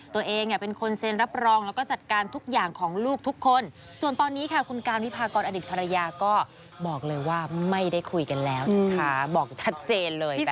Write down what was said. ตัวเองเป็นคนเซ็นรับรองแล้วก็จัดการทุกอย่างของลูกทุกคนส่วนตอนนี้ค่ะคุณการวิพากรอดิษฐภรรยาก็บอกเลยว่าไม่ได้คุยกันแล้วนะคะบอกชัดเจนเลยค่ะ